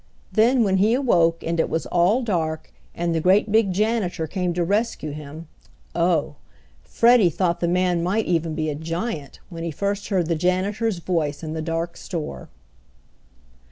Then, when he awoke and it was all dark, and the great big janitor came to rescue him oh! Freddie thought the man might even be a giant when he first heard the janitor's voice in the dark store.